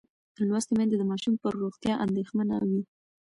لوستې میندې د ماشوم پر روغتیا اندېښمنه وي.